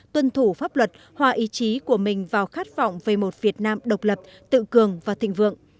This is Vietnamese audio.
tuân thủ pháp luật hòa ý chí của mình vào khát vọng về một việt nam độc lập tự cường và thịnh vượng